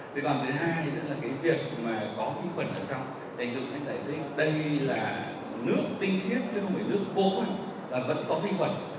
vì bằng thứ hai thì là cái việc mà có vi khuẩn ở trong để dùng để giải thích đây là nước tinh thiết chứ không phải nước khô quá là vẫn có vi khuẩn nhưng mà ở cái mức nó không hành được